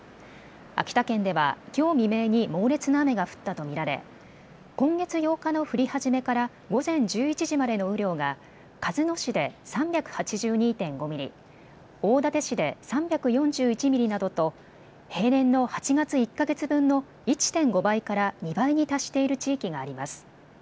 秋田県ではきょう未明に猛烈な雨が降ったと見られ今月８日の降り始めから午前１１時までの雨量が鹿角市で３８２．５ミリ、大館市で３４１ミリなどと平年の８月１か月分の１．５倍から２倍に達している地域があります。